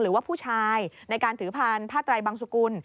หรือว่าผู้ชายในการถือพานผ้าไตรบังสุกุล